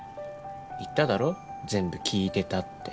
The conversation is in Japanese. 言っただろ全部聞いてたって。